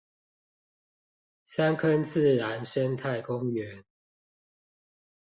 三坑自然生態公園